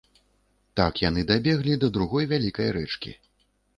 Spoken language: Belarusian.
Так яны дабеглі да другой, вялікай рэчкі.